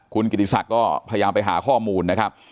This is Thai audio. คุณกิติศักดิ์ก็พยายามไปหาข้อมูลนะครับ